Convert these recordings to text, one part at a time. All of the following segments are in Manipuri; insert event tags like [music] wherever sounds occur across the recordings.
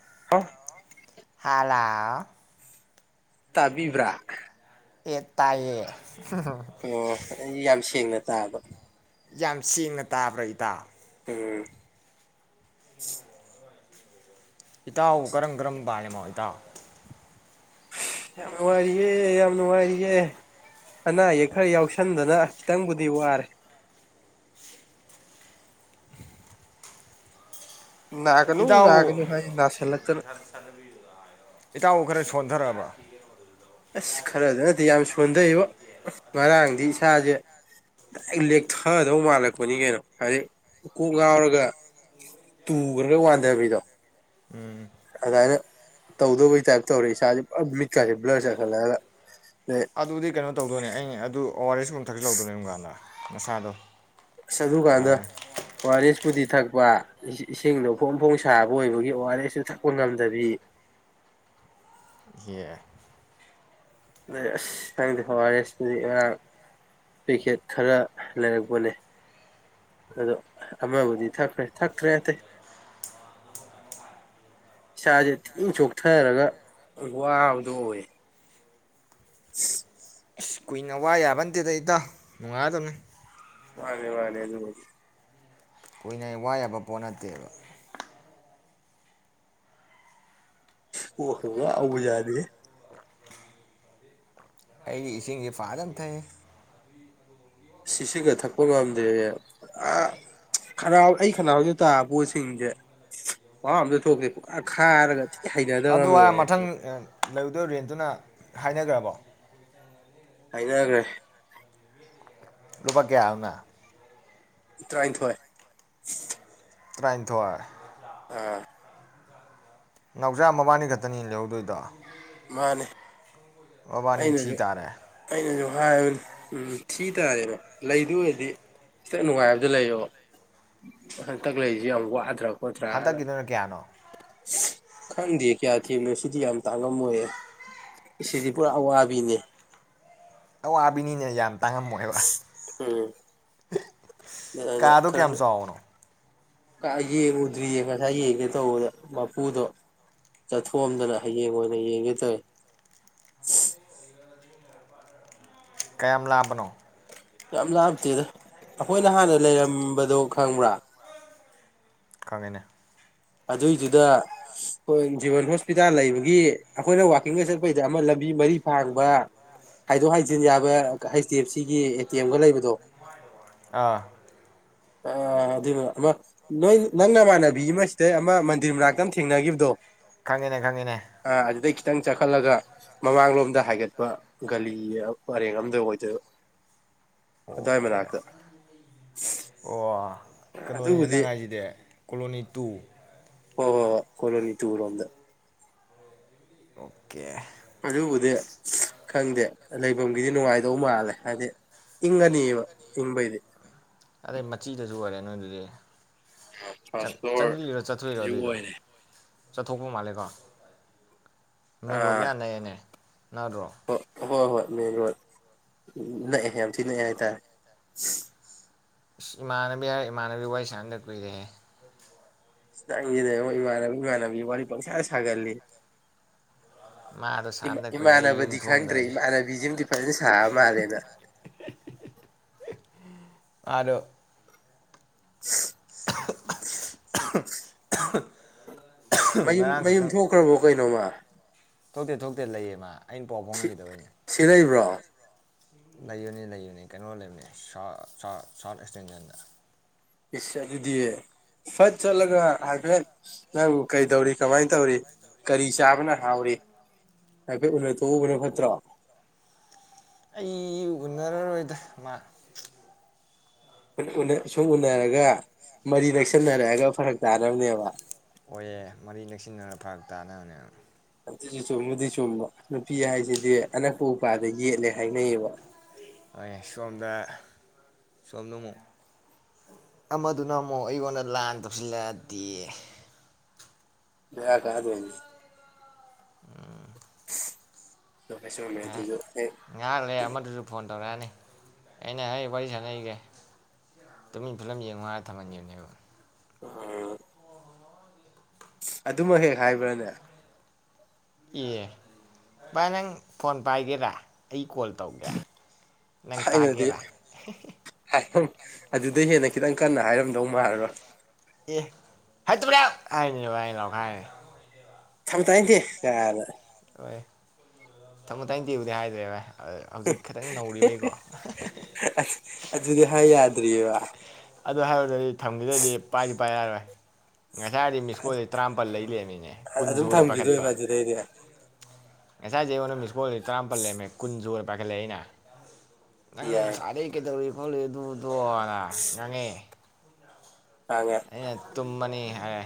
[unintelligible] ꯍꯥꯂꯥꯎ ꯇꯥꯕꯤꯕ꯭ꯔꯥ ꯑꯦ ꯇꯥꯏꯌꯦ ꯑꯣ ꯑꯩ ꯌꯥꯝ ꯁꯦꯡꯅ ꯇꯥꯕ ꯌꯥꯝ ꯁꯦꯡꯅ ꯇꯥꯕ꯭ꯔꯥ ꯏꯇꯥꯥꯎ ꯎꯝ ꯏꯇꯥꯎ ꯀꯔꯝ ꯀꯔꯝꯕ ꯄꯥꯜꯂꯤꯃꯣ ꯏꯇꯥꯎ ꯌꯥꯝ ꯅꯨꯡꯉꯥꯏꯔꯤꯌꯦ ꯌꯥꯝ ꯅꯨꯡꯉꯥꯏꯔꯤꯌꯦ ꯑꯅꯥ ꯑꯌꯦꯛ ꯈꯔ ꯌꯥꯎꯁꯟꯗꯅ ꯈꯤꯇꯪꯕꯨꯗꯤ ꯋꯥꯔꯦ ꯅꯥꯒꯅꯨ ꯅꯥꯒꯅꯨ ꯍꯥꯏ ꯅꯥꯁꯜꯂꯛꯇꯅ ꯏꯇꯥꯎ ꯈꯔ ꯁꯣꯟꯊꯔꯛꯑꯕ ꯑꯁ ꯈꯔꯗ ꯅꯠꯇꯦ ꯌꯥꯝ ꯁꯣꯟꯊꯩꯕ [unintelligible] ꯑꯩ ꯂꯦꯛꯊꯗꯧ ꯃꯥꯜꯂꯛꯄꯅꯤ ꯀꯩꯅꯣ ꯍꯥꯏꯗꯤ ꯀꯣꯛ ꯉꯥꯎꯔꯒ ꯇꯨꯔꯒ ꯋꯥꯟꯗꯒ꯭ꯔꯤꯗꯣ ꯎꯝ ꯑꯗꯨꯃꯥꯏꯅ ꯇꯧꯗꯧꯕꯩ ꯇꯥꯏꯞ ꯇꯧꯔꯦ ꯏꯁꯥꯁꯦ ꯄꯨ ꯃꯤꯠꯀꯥꯂꯦ ꯕ꯭ꯂꯔ ꯆꯠꯈꯠꯂꯛꯒ ꯑꯗ ꯑꯗꯨꯗꯤ ꯀꯩꯅꯣ ꯇꯧꯗꯣꯏꯅꯦ ꯑꯩꯩꯅ ꯑꯗꯨ ꯑ ꯑꯥꯔ ꯑꯦꯁ ꯀꯨꯝꯕ ꯊꯛꯁꯨ ꯂꯧꯗꯣꯏꯅꯦ ꯏꯨꯕ ꯀꯥꯟꯗ ꯅꯁꯥꯗꯣ ꯁꯥꯗꯨꯨ ꯀꯥꯟꯗ ꯍꯥꯏꯕꯅꯤ ꯑꯣ ꯑꯥꯔ ꯑꯦꯁꯄꯨꯗꯤ ꯊꯛꯄ ꯏꯁꯤꯡꯗꯣ ꯐꯣꯡ ꯐꯣꯡ ꯁꯥꯕ ꯑꯣꯏꯕꯒꯤ ꯑꯣ ꯑꯥꯔ ꯑꯦꯁꯇꯨ ꯊꯛꯄ ꯉꯝꯗꯕꯤ ꯌꯦ [unintelligible] ꯄꯤꯀꯦꯠ ꯈꯔ ꯂꯩꯔꯛꯄꯅꯦ ꯑꯗꯣ ꯑꯃꯕꯨꯗꯤ ꯊꯛꯈ꯭ꯔꯦ ꯊꯛꯇ꯭ꯔꯦ ꯑꯇꯩ ꯏꯁꯥꯁꯦ ꯊꯤꯅ ꯆꯣꯛꯊꯔꯒ ꯋꯥꯕꯗꯣ ꯑꯣꯏꯌꯦ [inaudible] ꯏꯁ ꯀꯨꯏꯅ ꯋꯥ ꯌꯥꯕ ꯅꯠꯇꯦꯗ ꯏꯇꯥꯎ ꯅꯨꯡꯉꯥꯏꯗꯕꯅꯤ ꯃꯥꯅꯦ ꯃꯅꯦ ꯑꯗꯨꯕꯨꯗꯤ ꯀꯨꯏꯅ ꯋꯥ ꯌꯥꯕ ꯄꯣꯠ ꯅꯠꯇꯦꯕ ꯀꯣꯛꯀ ꯉꯥꯎꯕ ꯖꯥꯠꯅꯦꯍꯦ ꯑꯩꯗꯤ ꯏꯁꯤꯡꯁꯦ ꯐꯥꯖꯅ ꯊꯛꯏ ꯁꯤꯁꯤꯒ ꯊꯛꯄ ꯉꯝꯗꯦ ꯑ ꯈꯅꯥꯎ ꯑꯩ ꯈꯅꯥꯎꯗ ꯇꯥꯕ ꯄꯣꯠꯁꯤꯡꯁꯦ ꯃꯍꯑꯣ ꯑꯃꯗ ꯊꯣꯛꯇꯦ ꯄꯨꯥ ꯈꯥꯏꯔꯒ ꯑꯗꯨ ꯑꯥꯏꯔ ꯃꯊꯪ ꯑ ꯂꯩꯔꯨꯗꯣꯏ ꯔꯦꯟꯇꯨꯅ ꯍꯥꯏꯅꯒ꯭ꯔꯕꯣ ꯍꯥꯏꯅꯒ꯭ꯔꯦ ꯂꯨꯄꯥ ꯀꯌꯥ ꯑꯝꯅ ꯇ꯭ꯔꯥꯏꯟꯊꯣꯏ ꯇ꯭ꯔꯥꯏꯟꯊꯣꯏ ꯑꯥ ꯅꯥꯎꯖꯥ ꯃꯕꯥꯅꯤ ꯈꯛꯇꯅꯤ ꯂꯩꯍꯧꯗꯣꯏꯗꯣ ꯃꯥꯅꯤ ꯃꯕꯥꯅꯤ ꯊꯤ ꯑꯩꯅꯖꯨ ꯇꯥꯔꯦ ꯑꯩꯅꯖꯨ ꯍꯥꯏꯔꯕꯅꯤ ꯎꯝ ꯊꯤ ꯇꯥꯔꯦꯅ ꯂꯩꯗꯣꯏ ꯑꯣꯏꯔꯗꯤ ꯈꯤꯇꯡ ꯅꯨꯡꯉꯥꯏꯕꯗ ꯂꯩꯌꯣꯕ ꯍꯟꯇꯛ ꯂꯩꯔꯤꯖꯦ ꯌꯥꯝ ꯋꯥꯍꯠꯈ꯭ꯔ ꯍꯟꯗꯛꯀꯤꯗꯨꯅ ꯀꯌꯥꯅꯣ ꯈꯪꯗꯤꯌꯦ ꯀꯌꯥ ꯊꯤꯕꯅꯣ ꯁꯤꯗꯤ ꯌꯥꯝ ꯇꯥꯡꯉꯝꯃꯣꯏꯌꯦ ꯏꯁꯤꯗꯤ ꯄꯨꯔꯥ ꯑꯋꯥꯕꯤꯅꯦ ꯑꯋꯥꯕꯤꯅꯤꯅꯦ ꯌꯥꯝ ꯇꯥꯡꯉꯝꯃꯣꯏꯕ ꯎꯝ ꯑꯩꯅ ꯀꯥꯗꯨ ꯀꯌꯥꯝ ꯈꯔ ꯆꯥꯎꯕꯅꯣ ꯀꯥ ꯌꯦꯡꯉꯨꯗ꯭ꯔꯤꯌꯦ ꯉꯁꯥꯏ ꯌꯦꯡꯒꯦ ꯇꯧꯕꯗ ꯃꯄꯨꯗꯣ ꯆꯠꯊꯣꯛꯑꯝꯗꯅ ꯍꯌꯦꯡ ꯑꯣꯏꯅ ꯌꯦꯡꯒꯦ ꯇꯧꯋꯦ [unintelligible] ꯀꯌꯥꯝ ꯂꯥꯞꯄꯅꯣ ꯌꯥꯝ ꯂꯥꯞꯇꯦꯗ ꯑꯈꯣꯏꯅ ꯍꯥꯟꯅ ꯂꯩꯔꯝꯕꯗꯣ ꯈꯪꯕ꯭ꯔꯥ ꯈꯪꯉꯦꯅꯦ ꯑꯗꯨꯏꯗꯨꯗꯥ ꯈꯣꯏꯟ ꯖꯤꯕꯟ ꯍꯣꯁꯄꯤꯇꯥꯜ ꯂꯩꯕꯒꯤ ꯑꯈꯣꯏꯅ ꯋꯥꯛꯀꯤꯡꯒ ꯆꯠꯄꯩꯗ ꯑꯃ ꯂꯝꯕꯤ ꯃꯔꯤ ꯐꯥꯡꯕ ꯍꯥꯏꯗꯣꯛ ꯍꯥꯏꯖꯤꯟ ꯌꯥꯕ ꯍꯩꯆ ꯗꯤ ꯑꯦꯐ ꯁꯤꯒꯤ ꯑꯦ ꯇꯤ ꯑꯦꯝꯒ ꯂꯩꯕꯗꯣ ꯑꯥ ꯑ ꯑꯗꯨꯏ ꯃꯅꯥꯛ ꯑꯃ ꯅꯣꯏꯒꯤ ꯅꯪ ꯅꯃꯥꯟꯅꯕꯤ ꯑꯃ ꯁꯤꯗꯩ ꯑꯃ ꯃꯟꯗꯤꯔ ꯃꯅꯥꯛꯇ ꯑꯃ ꯊꯦꯡꯅꯒꯤꯕꯗꯣ ꯈꯪꯉꯦꯅꯦ ꯈꯪꯉꯦꯅꯦ ꯑ ꯑꯗꯨꯗꯩ ꯈꯤꯇꯪ ꯆꯠꯈꯠꯂꯒ ꯃꯃꯥꯡꯂꯣꯝꯗ ꯍꯥꯏꯒꯠꯄ ꯒꯂꯤ ꯄꯔꯦꯡ ꯑꯝꯗ ꯑꯣꯏꯗꯣꯏꯕ ꯑꯗꯨꯋꯥꯏ ꯑꯣꯀꯦ ꯃꯅꯥꯛꯇ ꯑꯣ ꯀꯩꯅꯣꯅꯤꯅꯦ ꯑꯗꯨꯕꯨꯗꯤ ꯅꯪ ꯍꯥꯏꯖꯤꯗꯤ ꯀꯣꯂꯣꯅꯤ ꯇꯨ ꯋꯥ ꯋꯥ ꯋꯥ ꯀꯣꯂꯣꯅꯤ ꯇꯨ ꯔꯣꯝꯗ ꯀꯦ ꯑꯗꯨꯕꯨꯗꯤ ꯈꯪꯗꯦ ꯂꯩꯕꯝꯒꯤꯗꯤ ꯅꯨꯡꯉꯥꯏꯗꯧ ꯃꯥꯜꯂꯦ ꯍꯥꯏꯗꯤ ꯏꯪꯉꯅꯤꯕ ꯏꯪꯕꯩꯗꯤ ꯑꯗꯩ ꯃꯆꯤꯗꯖꯨ ꯑꯣꯏꯔꯦ ꯅꯣꯏ ꯌꯨꯝꯗꯨꯗꯤ ꯆꯪ ꯐꯥꯔꯁ ꯐ꯭ꯂꯣꯔ ꯆꯪꯂꯤꯔꯣ ꯆꯠꯇꯣꯏꯔꯣ ꯁꯤꯁꯨ ꯑꯗꯨꯏꯗꯣ ꯑꯣꯏꯔꯦ ꯆꯠꯊꯣꯛꯄ ꯃꯥꯜꯂꯦꯀꯣ ꯃꯦꯟ ꯔꯣꯠ ꯑꯥ ꯃꯌꯥ ꯅꯛꯑꯦꯅꯦ ꯅꯠꯗ꯭ꯔꯣ ꯍꯣꯏ ꯍꯣꯏ ꯍꯣꯏ ꯃꯦꯟ ꯔꯣꯠ ꯅꯛꯑꯦ ꯌꯥꯝ ꯊꯤ ꯅꯛꯑꯦ ꯍꯥꯏꯇꯥꯔꯦ ꯑꯁ ꯏꯃꯥꯟꯅꯕꯤ ꯍꯥꯏꯔ ꯏꯃꯥꯟꯅꯕꯤ ꯋꯥꯔꯤ ꯁꯥꯟꯅꯗ ꯀꯨꯏꯔꯦꯍꯦ ꯅꯪꯒꯤꯅꯦꯉꯣꯏ ꯏꯃꯥꯟꯅꯕꯤ ꯏꯃꯥꯟꯅꯕꯤ ꯋꯥꯔꯤ ꯄꯪꯁꯥꯟ ꯁꯥꯒꯜꯂꯤ ꯃꯥꯗꯣ ꯁꯥꯟꯅꯗ ꯀꯨꯏꯔꯦ ꯑꯩ ꯌꯨꯝ ꯏꯃꯥꯟꯅꯕꯗꯤ ꯈꯪꯗ꯭ꯔꯦ ꯊꯣꯛꯑꯝꯗꯥꯏ ꯏꯃꯥꯟꯅꯕꯤꯖꯤꯝꯗꯤ ꯐꯖꯅ ꯁꯥꯕ ꯃꯥꯜꯂꯦ ꯅꯪ ꯑꯥꯔꯣ [unintelligible] [inaudible] ꯃꯌꯨꯝ ꯉꯔꯥꯡ ꯃꯌꯨꯝ ꯈꯛꯇꯪ ꯊꯣꯛꯈ꯭ꯔꯕꯣ ꯀꯩꯅꯣ ꯃꯥ ꯊꯣꯛꯇꯦ ꯊꯣꯛꯇꯦ ꯂꯩꯌꯦ ꯃꯥ ꯑꯩꯅ ꯄꯥꯎ ꯁꯤ ꯐꯥꯎꯅꯈꯤꯗꯕꯩꯅꯦ ꯁꯤ ꯂꯩꯕ꯭ꯔꯣ ꯂꯩꯕꯅꯤ ꯂꯩꯕꯅꯤ ꯀꯩꯅꯣ ꯂꯩꯕꯅꯤ ꯁꯥꯎꯠ ꯑꯦꯛꯁꯇꯦꯟꯁꯟꯗ ꯏꯁ ꯑꯗꯨꯗꯤ ꯐꯠ ꯆꯠꯂꯒ ꯍꯥꯏꯐꯦꯠ ꯅꯪꯕꯨ ꯀꯩꯗꯧꯔꯤ ꯀꯃꯥꯏꯅ ꯇꯧꯔꯤ ꯀꯔꯤ ꯆꯥꯕꯅ ꯍꯥꯎꯔꯤ ꯍꯥꯏꯐꯦꯠ ꯎꯅ ꯇꯣꯛꯎꯕꯅ ꯐꯠꯇ꯭ꯔꯣ ꯑꯩ ꯎꯟꯅꯔꯔꯣꯏꯗ ꯃꯥ ꯁꯨꯝ ꯎꯅꯔꯒ ꯃꯔꯤ ꯅꯛꯁꯟꯅꯔꯛꯑꯒ ꯐꯔꯛ ꯇꯥꯅꯕꯅꯦꯕ ꯑꯣꯏꯌꯦ ꯃꯔꯤ ꯅꯛꯁꯤꯟꯅꯔꯒ ꯐꯔꯛ ꯇꯥꯅꯕꯅꯦꯕ ꯑꯗꯨꯁꯨ ꯆꯨꯝꯕꯨꯗꯤ ꯆꯨꯝꯕ ꯅꯨꯄꯤ ꯍꯥꯏꯁꯤꯗꯤ ꯑꯅꯛꯄ ꯎꯄꯥꯜꯗ ꯌꯦꯠꯂꯦ ꯍꯥꯏꯅꯩꯌꯦꯕ ꯍꯧꯏꯌꯦ ꯁꯣꯝꯗ ꯁꯣꯝꯗꯃꯨꯛ ꯑꯃꯗꯨꯅ ꯑꯃꯨꯛ ꯑꯩꯉꯣꯟꯗ ꯂꯥꯟ ꯇꯧꯁꯤꯜꯂꯛꯑꯗꯤ ꯕꯦꯔꯥ ꯀꯥꯗꯣꯏꯅꯤ ꯎꯝ ꯆꯨꯝꯃꯦ ꯆꯨꯝꯃꯦ ꯑꯗꯨꯁꯨ ꯍꯦꯛ [unintelligible] ꯉꯥꯏꯍꯥꯛ ꯂꯩꯔ ꯑꯃꯗꯨꯁꯨ ꯐꯣꯟ ꯇꯧꯔꯛꯑꯅꯤ ꯑꯩꯅ ꯑꯩ ꯋꯥꯔꯤ ꯁꯥꯟꯅꯒꯤꯒꯦ ꯇꯨꯃꯤꯟ ꯐꯤꯂꯝ ꯌꯦꯡꯉꯨ ꯍꯥꯏꯔꯒ ꯊꯝꯍꯟꯈꯤꯕꯅꯦꯕ ꯎꯝ ꯑꯗꯨꯃꯛ ꯍꯦꯛ ꯍꯥꯏꯕ꯭ꯔꯅꯦ ꯑꯦ ꯚꯥꯏ ꯅꯪ ꯐꯣꯟ ꯄꯥꯏꯒꯦꯔꯥ ꯑꯩ ꯀꯣꯜ ꯇꯧꯒꯦ ꯅꯪ ꯇꯥꯒꯦꯔꯥ ꯍꯥꯏꯍꯩ ꯑꯗꯨꯗꯩ ꯍꯦꯟꯅ ꯈꯤꯇꯪ ꯀꯟꯅ ꯍꯥꯏꯔꯝꯗꯧ ꯃꯥꯜꯂꯕ ꯑꯦ ꯍꯥꯏꯇꯕ꯭ꯔꯦ ꯍꯥꯏꯔꯤꯅꯦꯕ ꯑꯩ ꯂꯧꯈꯥꯏꯔꯦ ꯊꯝ ꯇꯥꯅꯤꯡꯗꯦ ꯌꯥꯅ ꯍꯣꯏ ꯊꯝꯃꯨ ꯇꯥꯅꯤꯡꯇꯦꯕꯨꯗꯤ ꯍꯥꯏꯗ꯭ꯔꯦ ꯚꯥꯏ ꯍꯧꯖꯤꯛ ꯈꯤꯇꯪ ꯅꯧꯔꯤꯕꯩꯀꯣ ꯑꯗꯨꯗꯤ ꯍꯥꯏ ꯌꯥꯗ꯭ꯔꯤꯑꯦꯕ ꯑꯗꯨ ꯍꯥꯏꯔꯨꯗꯗꯤ ꯊꯝꯈꯤꯗꯣꯏꯗꯤ ꯄꯥꯏꯗꯤ ꯄꯥꯏꯔꯛꯑꯔꯣꯏ ꯉꯁꯥꯏꯗꯩ ꯃꯤꯁꯀꯣꯜ ꯇꯔꯥꯃꯥꯄꯜ ꯂꯩ ꯂꯩꯔꯝꯃꯤꯅꯦ ꯀꯨꯟ ꯑꯗꯨꯝ ꯁꯨꯕꯗ ꯄꯥꯏꯈꯠꯄ ꯊꯝꯈꯤꯗꯣꯏꯕ ꯑꯗꯨꯗꯩꯗꯤ ꯉꯁꯥꯏꯖꯦ ꯑꯩꯉꯣꯟꯗ ꯃꯤꯁꯀꯣꯜ ꯇꯔꯥꯄꯜ ꯂꯩꯔꯝꯃꯦ ꯀꯨꯟꯁꯨꯨꯕꯗ ꯄꯥꯏꯈꯠꯂꯦ ꯑꯩꯅ ꯅꯪ ꯌꯥꯏ ꯉꯁꯥꯏꯗꯩ ꯀꯩꯗꯧꯔꯨꯏ ꯈꯣꯠꯂꯤ ꯑꯗꯨ‌ ꯑꯗꯨꯅ ꯉꯥꯡꯉꯛꯑꯦ ꯉꯥꯡꯉꯦ ꯑꯩꯅ ꯇꯨꯝꯕꯅꯤ ꯍꯥꯏꯔꯦ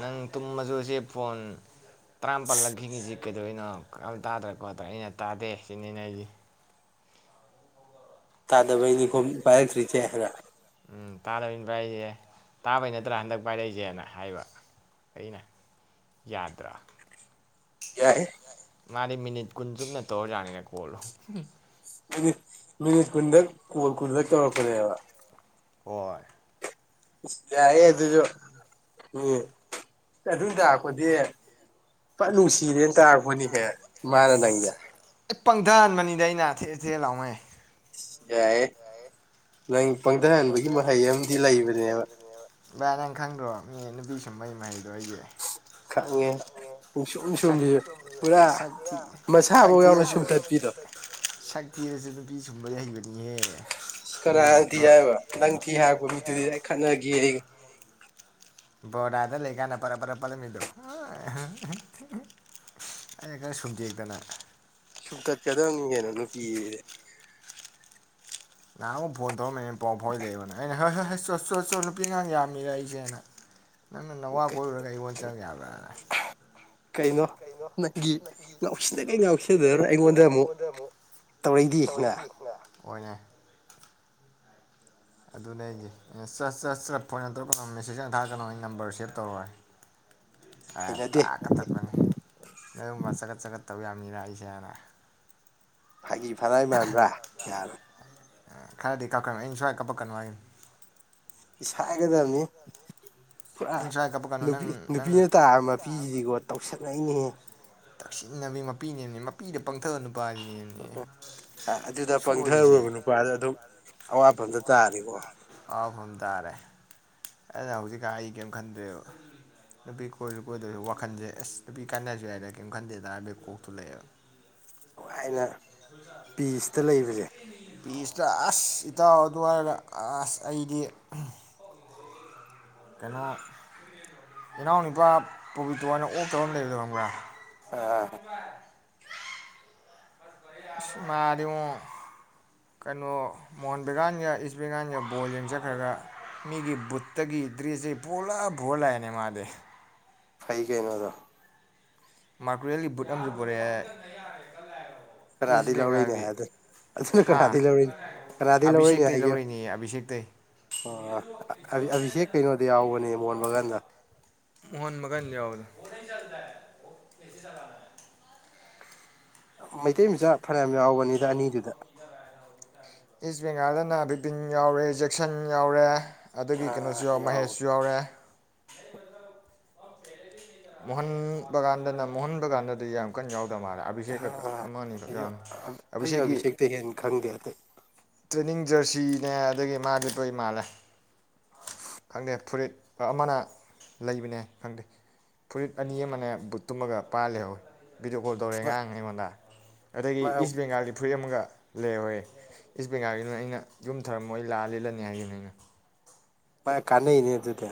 ꯅꯪ ꯇꯨꯝꯃꯁꯨ ꯁꯦ ꯐꯣꯟ ꯇꯔꯥꯄꯜꯂꯛ ꯈꯤꯡꯉꯤꯁꯤ ꯀꯩꯗꯣꯏꯅꯣ ꯑꯃ ꯇꯥꯗ꯭ꯔꯣ ꯈꯣꯠꯇ꯭ꯔꯥ ꯑꯩꯅ ꯇꯥꯗꯦ ꯁꯤꯅꯤꯅꯦ ꯍꯥꯏꯖꯦ ꯇꯥꯗꯕꯩꯅꯤ ꯈꯨꯝ ꯄꯥꯏꯔꯛꯇ꯭ꯔꯤꯁꯦ ꯍꯥꯏꯕ ꯎꯝ ꯇꯥꯗꯕꯅꯤ ꯄꯥꯏꯔꯛꯏꯁꯦ ꯇꯥꯕꯩ ꯅꯠꯇ꯭ꯔꯥ ꯍꯟꯗꯛ ꯄꯥꯏꯔꯛꯏꯁꯦꯅ ꯍꯥꯏꯕ ꯑꯩꯅ ꯌꯥꯗ꯭ꯔꯥ ꯌꯥꯏ ꯃꯥꯗꯤ ꯃꯤꯅꯤꯠ ꯀꯨꯟ ꯆꯨꯞꯅ ꯇꯧꯔꯖꯥꯠꯅꯤꯅꯦ ꯀꯣꯜꯗꯣ ꯃꯤꯅꯤꯠ ꯃꯤꯅꯤꯠ ꯀꯨꯟꯗ ꯀꯣꯜ ꯀꯨꯟꯂꯠ ꯇꯧꯔꯛꯄꯅꯦꯕ ꯍꯣꯏ ꯏꯁ ꯌꯥꯏꯍꯦ ꯑꯗꯨꯁꯨ ꯃꯤ ꯑꯗꯨ ꯇꯥꯛꯄꯗꯤ ꯐꯖꯅ ꯅꯨꯡꯁꯤꯔꯦꯅ ꯇꯥꯛꯄꯅꯤꯍꯦ ꯃꯥꯅ ꯅꯪꯁꯦ ꯑꯦ ꯄꯪꯊꯍꯟꯕꯅꯤꯗ ꯑꯩꯅ ꯊꯦꯛ ꯊꯦꯛ ꯂꯥꯎꯒꯩ ꯌꯥꯏꯍꯦ ꯅꯪ ꯄꯪꯊꯍꯟꯕꯒꯤ ꯃꯍꯩ ꯑꯃꯗꯤ ꯂꯩꯕꯅꯦꯕ ꯚꯥꯏ ꯅꯪ ꯈꯪꯗ꯭ꯔꯣ ꯃꯤ ꯅꯨꯄꯤ ꯁꯨꯝꯕꯩ ꯃꯍꯩꯗꯣ ꯑꯩꯒꯤ ꯈꯪꯉꯦ ꯁꯨꯝ ꯁꯨꯝꯕꯤ [unintelligible] ꯄꯨꯔꯥ ꯁꯛ ꯃꯁꯥꯐꯥꯎ ꯌꯥꯎꯅ ꯊꯤꯔꯁꯨ ꯁꯨꯝꯇꯠꯄꯤꯗꯣ ꯁꯛꯊꯤꯔꯁꯨ ꯅꯨꯄꯤ ꯁꯨꯝꯕ ꯍꯩꯕꯅꯤꯍꯦ ꯃꯤ ꯀꯅꯥꯥꯅ ꯊꯤ ꯕ ꯍꯥꯏꯕ ꯅꯪ ꯊꯤ ꯍꯥꯏꯔꯛꯄ ꯃꯤꯗꯨꯗꯤ ꯑꯩ ꯈꯠꯅꯒꯦ ꯑꯩꯒ ꯕꯣꯔꯗꯥꯗ ꯂꯩꯀꯥꯟꯗ ꯄꯔꯞ ꯄꯔꯞ ꯄꯜꯂꯝꯃꯤꯗꯣ ꯑꯩ ꯈꯔ ꯁꯨꯝ ꯇꯦꯛꯇꯅ ꯁꯨꯝ ꯇꯠꯀꯗꯕꯅꯤ ꯀꯩꯅꯣ ꯅꯨꯄꯤꯖꯤꯗꯤ ꯅꯕꯍꯥꯟꯃꯨꯛ ꯐꯣꯟ ꯇꯧꯔꯛꯑꯝꯃꯦ ꯑꯩꯅ ꯄꯥꯎ ꯐꯥꯎꯅꯗꯦ ꯑꯩꯉꯣꯟꯗ ꯑꯩꯅ ꯍꯣꯏ ꯍꯥꯏ ꯆꯣ ꯆꯣ ꯆꯣ ꯅꯨꯄꯤꯉꯥꯡ ꯌꯕ ꯃꯤꯔ ꯑꯩꯖꯦꯅ ꯅꯪꯅ ꯅꯋꯥ ꯀꯣꯏꯔꯨꯔꯒ ꯑꯩꯉꯣꯟ ꯆꯪꯉꯛ ꯌꯥꯕ꯭ꯔꯥꯅ ꯀꯩꯅꯣ ꯅꯪꯒꯤ ꯉꯎꯁꯤꯟꯅꯒꯩ ꯉꯥꯎꯁꯤꯟꯅꯔ ꯑꯩꯉꯣꯟꯗ ꯑꯃꯨꯛ ꯇꯧꯔꯛꯏꯗꯤ ꯅ ꯇꯧꯔꯗꯤꯅ ꯍꯣꯏꯅꯦ ꯑꯗꯨꯅꯦ ꯍꯥꯏꯖꯦ ꯆ ꯆ ꯆ ꯐꯣꯟ ꯌꯥꯝ ꯇꯧꯔꯛꯀꯅꯣ ꯃꯦꯁꯦꯖ ꯌꯥꯝ ꯊꯔꯀꯅꯣ ꯑꯩ ꯅꯝꯕꯔ ꯁꯦꯞ ꯇꯧꯔꯣꯏ [inaudible] ꯍꯥꯏꯔ ꯍꯩꯅꯗꯦ ꯇꯥꯛ ꯀꯛꯊꯠꯄꯅꯤ ꯅꯣꯏꯒꯨꯝꯕ ꯆꯒꯠ ꯆꯒꯠ ꯇꯧ ꯌꯥ ꯃꯤꯔ ꯑꯩꯁꯦ ꯍꯥꯟꯅ ꯐꯥꯒꯤ ꯐꯅꯏ ꯃꯥꯟꯕ꯭ꯔꯥ ꯒꯅ ꯑ ꯈꯔꯗꯤ ꯀꯞꯈꯔꯕꯅꯦ ꯑꯩꯅ ꯁꯋꯥꯏ ꯀꯞꯄꯛꯀꯅꯣ ꯍꯥꯏꯅꯤ ꯥꯏꯁ ꯍꯥꯏꯒꯗꯕꯅꯤ ꯄꯨꯔꯥ ꯑꯩꯅ ꯁ꯭ꯋꯥꯏ ꯀꯞꯄꯛꯀꯅꯨ ꯅꯪ ꯅꯨꯄꯤ ꯅꯪ ꯅꯨꯄꯤꯅ ꯇꯥꯔ ꯃꯄꯤꯁꯤꯗꯤꯀꯣ ꯇꯧꯁꯟꯅꯩꯅꯤꯍꯦ ꯇꯛꯁꯤꯟꯅꯕꯤ ꯃꯄꯤꯅꯦꯃꯦ ꯃꯄꯤꯗ ꯄꯪꯊꯕ ꯅꯨꯄꯥꯁꯤꯅꯦ ꯑꯣ ꯑꯣ ꯑꯥ ꯑꯗꯨꯗ ꯄꯪꯊꯔꯨꯔꯕ ꯅꯨꯄꯥꯗꯣ ꯑꯗꯨꯝ ꯑꯋꯥꯐꯝꯗ ꯇꯥꯅꯤꯀꯣ ꯑꯋꯥꯐꯝꯗ ꯇꯥꯔꯦ ꯑꯩꯅ ꯍꯧꯖꯤꯛꯀꯥꯟ ꯑꯩ ꯀꯔꯤꯝ ꯈꯟꯗ꯭ꯔꯦꯕ ꯅꯨꯄꯤ ꯀꯣꯏꯔꯁꯨ ꯀꯣꯏꯗꯁꯨ ꯋꯥꯈꯟꯁꯦ ꯑꯁ ꯅꯨꯄꯤ ꯀꯥꯏꯅꯔꯁꯨ ꯌꯥꯏꯗ ꯀꯩꯝ ꯈꯟꯗꯦꯗ ꯍꯥꯏꯕꯩ ꯀꯣꯛꯇꯨ ꯂꯩꯌꯦꯕ ꯅꯨꯡꯉꯥꯏꯅ ꯄꯤꯁꯇ ꯂꯩꯕꯁꯦ [unintelligible] ꯄꯤꯁꯇ ꯑꯁ ꯏꯇꯥꯎ ꯑꯗꯨꯍꯥꯏꯔ ꯑꯁ ꯑꯩꯗꯤ ꯀꯅꯣ ꯏꯅꯥꯎ ꯅꯨꯄꯥ ꯄꯣꯕꯤꯇꯣ ꯍꯥꯏꯅ ꯑꯣꯛꯇꯕ ꯑꯃ ꯂꯩꯕꯗꯣ ꯈꯪꯕ꯭ꯔꯥ ꯑꯥ [unintelligible] ꯑꯁ ꯃꯥꯗꯤꯉꯣ ꯀꯩꯅꯣ ꯃꯣꯍꯣꯟ ꯕꯦꯒꯥꯟꯒ ꯏꯁ ꯕꯦꯡꯒꯥꯟꯒ ꯕꯣꯜ ꯌꯦꯡꯖꯠꯈ꯭ꯔꯒ ꯃꯤꯒꯤ ꯕꯨꯠꯇꯒꯤ ꯗ꯭ꯔꯤꯁꯦ ꯄꯨꯂꯞ ꯄꯨꯔꯂꯥꯛꯑꯦꯅꯦ ꯃꯥꯗꯤ ꯐꯩ ꯀꯩꯅꯣ ꯑꯗꯣ ꯃꯥꯔꯀ꯭ꯔꯨꯋꯦꯜꯒꯤ ꯕꯨꯠ ꯑꯃꯁꯨ ꯄꯨꯔꯛꯑꯦ ꯏꯁ ꯀꯅꯥꯗꯒꯤ ꯂꯧꯔꯛꯏꯅꯦ ꯕꯦꯡꯒꯥꯜꯒꯤ ꯍꯥꯏꯕꯗꯨ ꯑꯗꯨꯅ ꯍꯥ ꯀꯅꯥꯗꯒꯤ ꯂꯧꯔꯛꯏꯅꯤ ꯀꯅꯥꯗꯒꯤ ꯑꯕꯤꯁꯦꯛꯇꯩ ꯂꯧꯔꯛꯏꯅꯦ ꯑꯕꯤꯁꯦꯛꯇꯩ ꯑꯣ ꯑꯕꯤ ꯑꯕꯤꯁꯦꯛ ꯀꯩꯅꯣꯗ ꯌꯥꯎꯕꯅꯦ ꯃꯣꯟ ꯕꯒꯟꯗ ꯃꯣꯟ ꯕꯒꯟꯗ ꯌꯥꯎꯕꯗꯣ [unintelligible] ꯃꯩꯇꯩ ꯃꯆꯥ ꯐꯅꯌꯥꯝ ꯌꯥꯎꯕꯅꯤꯗ ꯑꯅꯤꯗꯨꯗ ꯏꯁ ꯕꯦꯡꯒꯥꯜꯗꯅ ꯕꯤꯕꯤꯟ ꯌꯥꯎꯔꯦ ꯖꯦꯛꯁꯟ ꯌꯥꯎꯔꯦ ꯑ ꯑꯗꯒꯤ ꯀꯩꯅꯣꯁꯨ ꯌꯥꯎꯔꯦ ꯌꯥꯎꯕ ꯃꯍꯦꯁꯁꯨ ꯌꯥꯎꯔꯦ ꯃꯣꯍꯟ ꯕꯒꯥꯟꯗꯅ ꯃꯣꯍꯟ ꯕꯒꯥꯟꯗꯗꯤ ꯌꯥꯝ ꯀꯟ ꯌꯥꯎꯗ ꯃꯥꯜꯂꯦ ꯑꯕꯤꯁꯦꯛꯀ ꯑ ꯑꯃꯅꯤꯈꯛ ꯌꯥꯎꯅꯤ ꯑꯕꯤꯁꯦꯛꯀꯤ ꯇꯦꯑꯦꯟ ꯈꯟꯗꯦ ꯑꯇꯩ ꯇ꯭ꯔꯦꯅꯤꯡ ꯖꯔꯁꯤꯅꯦ ꯑꯗꯒꯤ ꯃꯥꯗꯤ ꯂꯣꯏ ꯃꯥꯥꯜꯂꯦ ꯈꯪꯗꯦ ꯐꯨꯔꯤꯠ ꯑꯃꯅ ꯂꯩꯕꯅꯦ ꯍꯥꯏ ꯈꯪꯗꯦ ꯐꯨꯔꯤꯠ ꯑꯅꯤ ꯑꯃꯅꯦ ꯕꯨꯠ ꯇꯨꯝꯃꯒ ꯄꯥ ꯂꯩꯍꯧꯋꯤ ꯚꯤꯗꯤꯑꯣ ꯀꯣꯜ ꯇꯧꯔꯦ ꯉꯔꯥꯡ ꯑꯩꯉꯣꯟꯗ ꯑꯗꯒꯤ ꯏꯁ ꯃꯥ ꯕꯦꯡꯒꯥꯜꯒꯤ ꯐꯨꯔꯤꯠ ꯑꯃꯒ ꯂꯩꯍꯧꯋꯦ ꯏꯁ ꯕꯦꯡꯒꯥꯜꯒꯤꯅ ꯑꯩꯅ ꯌꯨꯝ ꯊꯔꯝꯃꯣꯏ ꯂꯥꯛꯑ ꯂꯤꯠꯂꯅꯤ ꯍꯥꯏꯈꯤꯕꯅ ꯑꯩꯅ ꯃꯥꯥꯏ ꯀꯥꯟꯅꯩꯅꯦ ꯑꯗꯨꯗꯤ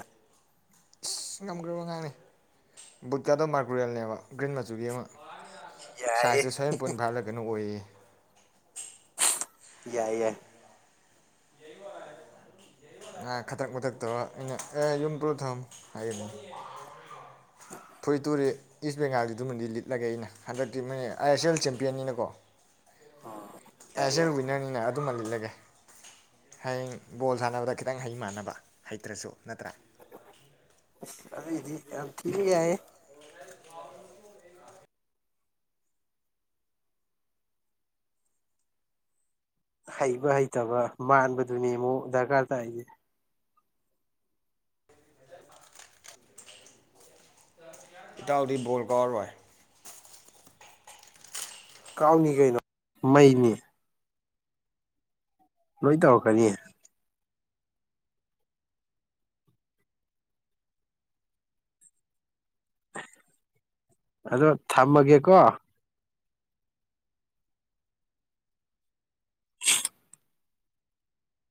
ꯑꯁ ꯉꯝꯈ꯭ꯔꯕ [unintelligible] ꯉꯍꯥꯡꯅꯤ ꯕꯨꯠꯀꯗꯣ ꯃꯥꯔꯀ꯭ꯔꯨꯋꯦꯜꯅꯦꯕ ꯒ꯭ꯔꯤꯟ ꯃꯆꯨꯒꯤ ꯑꯃ ꯌꯥꯏꯌꯦ ꯁꯥꯏꯖꯇ ꯁ꯭ꯚꯦꯟ ꯄꯣꯏꯟ ꯐꯥꯏꯐꯂ ꯀꯩꯅꯣꯝꯈꯛ ꯑꯣꯏꯌꯦꯌꯦ ꯌꯥꯏ ꯌꯥꯏ ꯈꯗ꯭ꯔꯛ ꯃꯗ꯭ꯔꯛ ꯇꯧꯔꯒ ꯑꯩꯅ ꯑꯦ ꯌꯨꯝ ꯄꯨꯔꯣ ꯊꯝꯅꯝꯃꯣ ꯍꯥꯏꯒꯤꯕꯅꯦ ꯑꯩꯅ ꯐꯨꯔꯤꯠꯇꯨꯔꯤ ꯏꯁ ꯕꯦꯡꯒꯥꯜꯗꯨꯗꯨꯃꯗꯤ ꯂꯤꯠꯂꯒꯦ ꯑꯩꯅ ꯍꯟꯗꯛꯇꯤ ꯃꯣꯏꯅ ꯑꯥꯏ ꯑꯦꯁ ꯑꯦꯜ ꯆꯦꯝꯄꯤꯌꯟꯅꯤꯅꯀꯣ ꯌꯥꯏ ꯑꯩꯁ ꯌꯥꯏ ꯑꯦ ꯋꯤꯟꯅꯔꯅ ꯑꯗꯨꯃ ꯂꯤꯠꯂꯒꯦ ꯍꯌꯦꯡ ꯕꯣꯜ ꯁꯥꯟꯅꯕꯗ ꯈꯤꯇꯪ ꯍꯩ ꯃꯥꯟꯅꯕ ꯍꯩꯇ꯭ꯔꯁꯨ ꯅꯠꯇ꯭ꯔꯥ ꯑꯁ ꯑꯗꯨꯏꯗꯤ ꯌꯥꯝ ꯊꯤ ꯌꯥꯏꯍꯦ ꯍꯩꯕ ꯍꯩꯇꯕ ꯃꯥꯟꯕꯗꯨꯅꯦ ꯑꯃꯨꯛ ꯗꯔꯀꯥꯔ ꯇꯥꯏꯁꯦ ꯏꯇꯥꯎꯗꯤ ꯕꯣꯜ ꯀꯥꯎꯔꯔꯣꯏ ꯀꯥꯎꯅꯤ ꯀꯩꯅꯣ ꯃꯩꯅꯤ ꯂꯣꯏ ꯇꯧꯔꯛꯀꯅꯤ ꯑꯗꯣ ꯊꯝꯃꯒꯦꯀꯣ